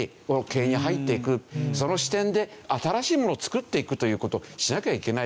その視点で新しいものを作っていくという事をしなきゃいけない。